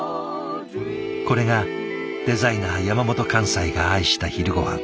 これがデザイナー山本寛斎が愛した昼ごはん。